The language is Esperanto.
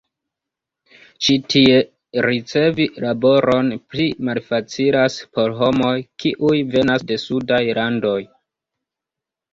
Ĉi tie, ricevi laboron pli malfacilas por homoj, kiuj venas de sudaj landoj.